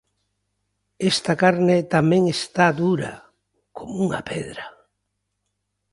Esta carne tamén está dura, "coma unha pedra".